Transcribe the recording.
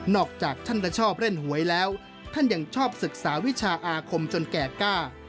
จากท่านจะชอบเล่นหวยแล้วท่านยังชอบศึกษาวิชาอาคมจนแก่กล้า